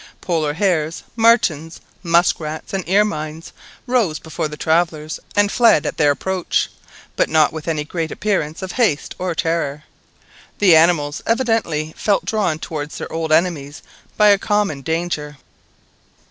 Polar hares, martens, musk rats, and ermines rose before the travellers and fled at their approach, but not with any great appearance of haste or terror. The animals evidently felt drawn towards their old enemies by a common danger.